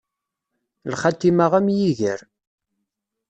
Lxatima am yiger.